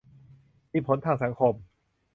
มีผลทางสังคม